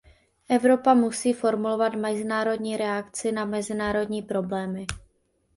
Evropa musí formovat mezinárodní reakci na mezinárodní problémy.